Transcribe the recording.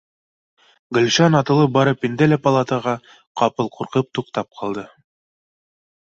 Гөлшан атылып барып инде лә палатаға, ҡапыл ҡурҡып, туҡтап ҡалды